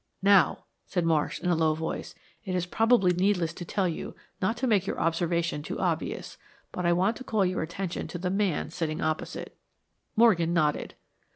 "Now," said Marsh, in a low voice, "it is probably needless to tell you not to make your observation too obvious, but I want to call your attention to the man sitting opposite." Morgan nodded.